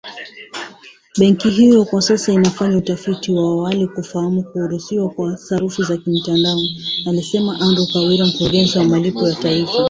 Benki hiyo kwa sasa inafanya utafiti wa awali kufahamu kuruhusiwa kwa sarafu za kimtandao, alisema Andrew Kaware mkurugenzi wa malipo ya taifa.